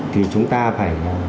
thì chúng ta phải